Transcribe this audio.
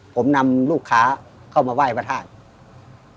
ผมนำลูกค้าเข้ามาไหว้พระธาตุ